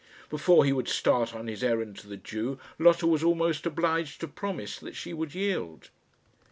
Before he would start on his errand to the Jew, Lotta was almost obliged to promise that she would yield.